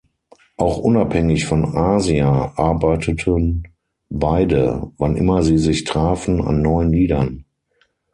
Auch unabhängig von Asia arbeiteten beide, wann immer sie sich trafen, an neuen Liedern.